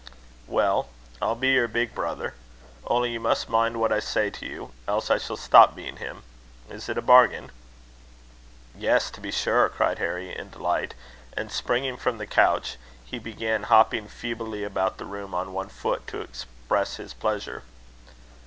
"Well, I'll be your big brother. Only you must mind what I say to you; else I shall stop being him. Is it a bargain?" "Yes, to be sure!" cried Harry in delight; and, springing from the couch, he began hopping feebly about the room on one foot, to express his pleasure.